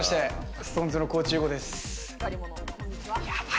ＳｉｘＴＯＮＥＳの高地優吾です。